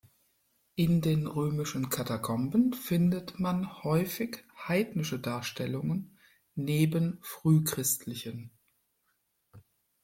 In den römischen Katakomben findet man häufig heidnische Darstellungen neben frühchristlichen.